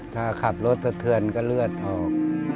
ถ้าขับรถสะเทือนก็เลือดออก